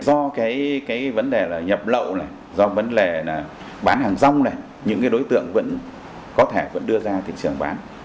do cái vấn đề là nhập lậu này do vấn đề là bán hàng rong này những cái đối tượng vẫn có thể vẫn đưa ra thị trường bán